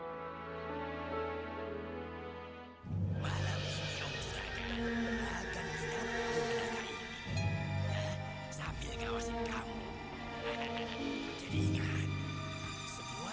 om duragan akan melebar kamu ke bawah